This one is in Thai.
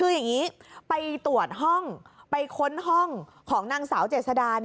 คืออย่างนี้ไปตรวจห้องไปค้นห้องของนางสาวเจษดา